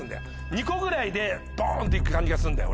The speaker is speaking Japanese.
２個ぐらいでドンっていく感じがするんだよ